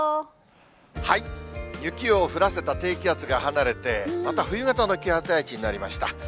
雪を降らせた低気圧が離れて、また冬型の気圧配置になりました。